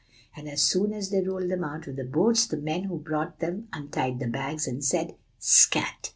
And as soon as they rolled them out of the boats, the men who brought them untied the bags, and said 'Scat!